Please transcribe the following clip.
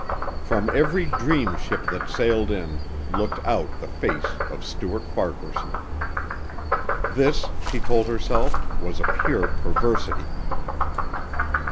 From every dream ship that sailed in, looked out the face of Stuart Farquaharson. This, she told herself, was a pure perversity.